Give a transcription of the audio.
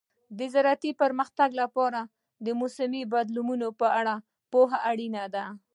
د زراعت پرمختګ لپاره د موسمي بدلونونو په اړه پوهه اړینه ده.